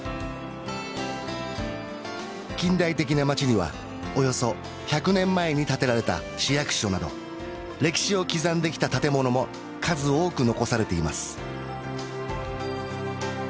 近代的な街にはおよそ１００年前に建てられた市役所など歴史を刻んできた建物も数多く残されています